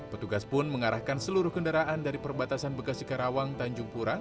pertugas pun mengarahkan seluruh kendaraan dari perbatasan bekasikarawang tanjung pura